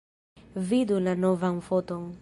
Vidu la novan foton.